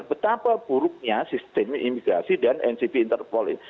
betapa buruknya sistem imigrasi dan ncb interpol